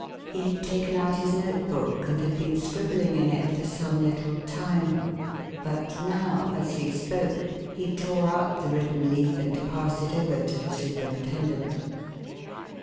He had taken out his notebook and had been scribbling in it for some little time, but now, as he spoke, he tore out the written leaf and passed it over to the superintendent.